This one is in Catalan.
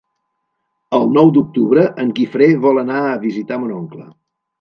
El nou d'octubre en Guifré vol anar a visitar mon oncle.